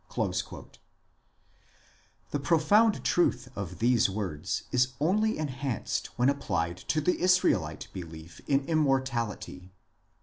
1 The profound truth of these words is only enhanced when applied to the Israelite belief in Immortality.